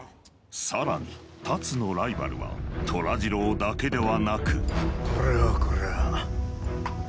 さらに龍のライバルは虎二郎だけではなくこれはこれは。